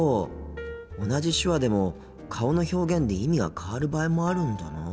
同じ手話でも顔の表現で意味が変わる場合もあるんだなあ。